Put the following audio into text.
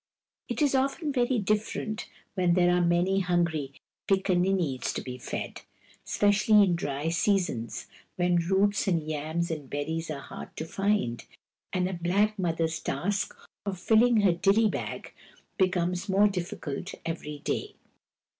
It is often very different when there are many hungry pickaninnies to be fed — especially in dry seasons, when roots and yams and berries are hard to find, and a black mother's task of filling her dilly bag becomes more difficult every day.